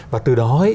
và từ đó